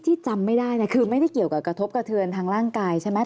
จำไม่ได้คือไม่ได้เกี่ยวกับกระทบกระเทือนทางร่างกายใช่ไหม